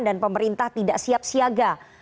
dan pemerintah tidak siap siaga